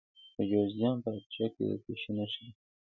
د جوزجان په اقچه کې د څه شي نښې دي؟